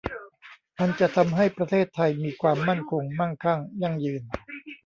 อันจะทำให้ประเทศไทยมีความมั่นคง มั่งคั่ง ยั่งยืน